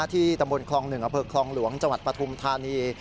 ที่ตำบลคลองหนึ่งอเผิกคลองหลวงจังหวัดปฐุมธานี